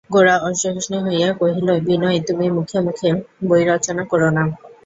গোরা অসহিষ্ণু হইয়া কহিল, বিনয়, তুমি মুখে মুখে বই রচনা কোরো না।